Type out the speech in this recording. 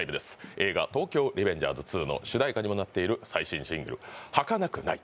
映画「東京リベンジャーズ２」の主題歌にもなっている最新シングル「儚くない」。